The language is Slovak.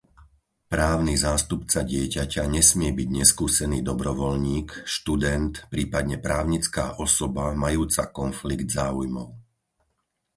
Právny zástupca dieťaťa nesmie byť neskúsený dobrovoľník, študent, prípadne právnická osoba majúca konflikt záujmov.